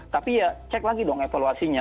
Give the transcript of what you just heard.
tapi ya cek lagi dong evaluasinya